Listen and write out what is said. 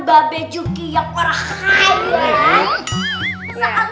mbak bejuki yang warahat